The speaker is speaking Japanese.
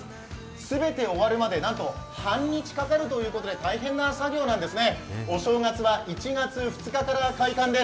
全て終わるまで、なんと半日かかるということで、大変な作業なんですね。